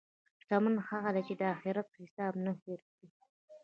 شتمن هغه دی چې د اخرت حساب نه هېر کړي.